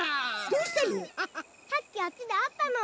どうしたの？